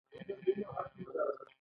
وروستی کنټرول د مالي کال په پای کې وي.